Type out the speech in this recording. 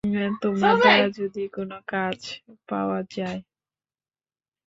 তোমার দ্বারা যদি কোনো কাজ পাওয়া যায়!